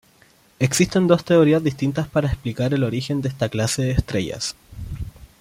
Existen dos teorías distintas para explicar el origen de esta clase de estrellas.